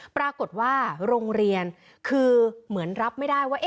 ปรากฏว่าโรงเรียนคือเหมือนรับไม่ได้ว่า